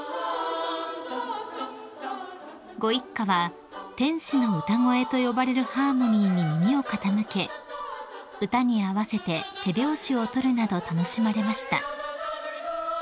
［ご一家は天使の歌声と呼ばれるハーモニーに耳を傾け歌に合わせて手拍子をとるなど楽しまれました］